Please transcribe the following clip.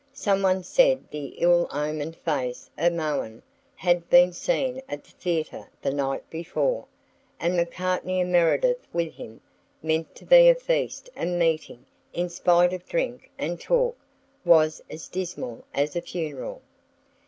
Some one said the ill omened face of Mohun had been seen at the theatre the night before, and Macartney and Meredith with him. Meant to be a feast, the meeting, in spite of drink and talk, was as dismal as a funeral.